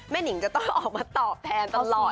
หนิงก็ต้องออกมาตอบแทนตลอด